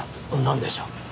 なんでしょう？